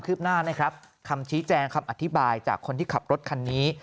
หน้านะครับคำชี้แจงคำอธิบายจากคนที่ขับรถคันนี้